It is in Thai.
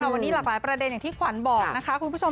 วันนี้หลากหลายประเด็นอย่างที่ขวัญบอกนะคะคุณผู้ชม